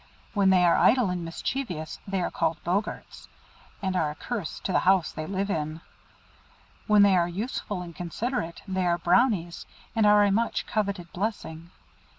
When they are idle and mischievous, they are called Boggarts, and are a curse to the house they live in. When they are useful and considerate, they are Brownies, and are a much coveted blessing.